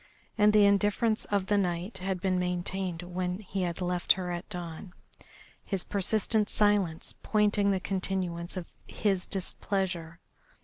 And the indifference of the night had been maintained when he had left her at dawn, his persistent silence pointing the continuance of his displeasure.